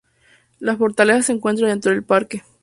La fortaleza se encuentra dentro del parque.